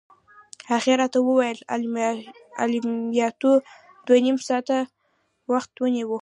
هغې راته وویل: عملياتو دوه نيم ساعته وخت ونیو.